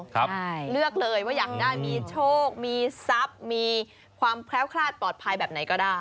ใช่เลือกเลยว่าอยากได้มีโชคมีทรัพย์มีความแคล้วคลาดปลอดภัยแบบไหนก็ได้